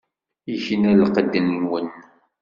Ikna lqedd-nwen.